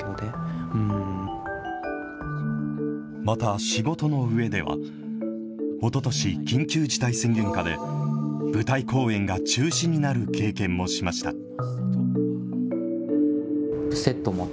また仕事の上では、おととし、緊急事態宣言下で、舞台公演が中止になる経験もしました。